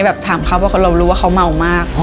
แบบถามเขาแบบเรารู้ว่าเขาเมียมาก